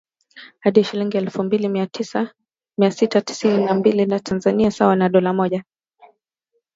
hadi shilingi elfu mbili mia sita tisini na mbili za Tanzania sawa na dola mmoja